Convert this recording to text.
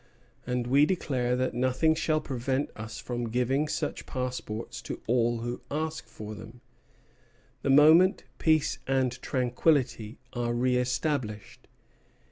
And we declare that nothing shall prevent us from giving such passports to all who ask for them, the moment peace and tranquillity are re established."